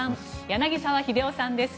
柳澤秀夫さんです